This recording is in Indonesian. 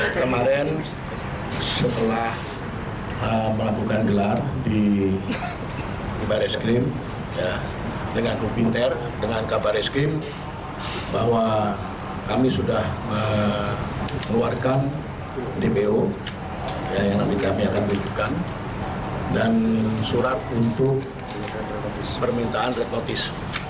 kemarin setelah melakukan gelar di baris krim dengan kupinter dengan kabar eskrim bahwa kami sudah mengeluarkan dbo yang kami akan berikan dan surat untuk permintaan retnotis